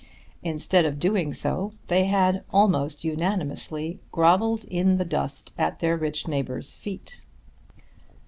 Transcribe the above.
Instead of doing so they had, almost unanimously, grovelled in the dust at their rich neighbour's feet.